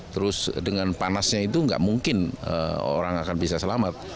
terus dengan panasnya itu nggak mungkin orang akan bisa selamat